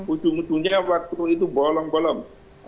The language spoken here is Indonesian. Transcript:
ujung ujungnya waktu itu bolong bolong